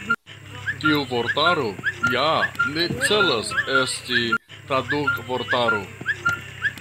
Tiu vortaro ja ne celas esti tradukvortaro.